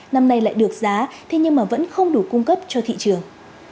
năm nay lại được giá thế nhưng mà vẫn không đủ cung cấp cho thị trường